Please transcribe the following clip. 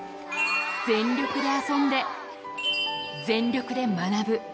全力で遊んで、全力で学ぶ。